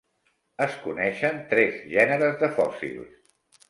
Es coneixen tres gèneres de fòssils.